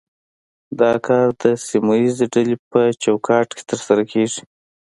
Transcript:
دا کار د سیمه ایزې ډلې په چوکاټ کې ترسره کیږي